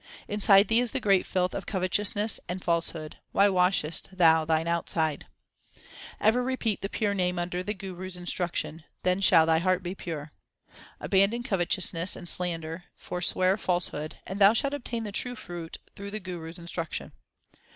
Inside thee is the great filth of covetousness and false hood ; why washest thou thine outside ? Ever repeat the Pure Name under the Guru s instruction, then shall thy heart be pure. Abandon covetousness and slander, forswear falsehood and thou shalt obtain the true fruit through the Guru s instruction.